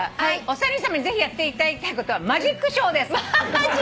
「お三人さまにぜひやっていただきたいことはマジックショーです」